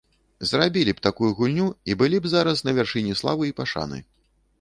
Зрабілі б такую гульню і былі б зараз на вяршыні славы і пашаны.